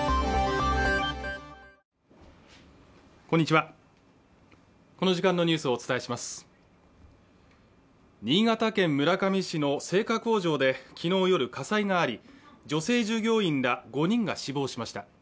こんにちはこの時間のニュースをお伝えします新潟県村上市の製菓工場できのう夜火災があり女性従業員ら５人が死亡しました